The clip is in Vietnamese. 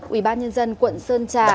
ubnd quận sơn trà